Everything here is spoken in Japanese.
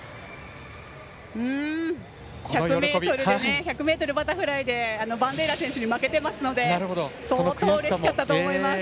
１００ｍバタフライでバンデイラ選手に負けていますので相当うれしかったと思います。